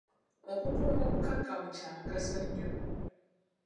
Okukuuma obukakkamu kya mugaso nnyo.